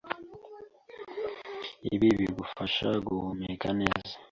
ibi bigufasha guhumeka neza